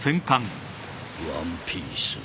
ワンピース？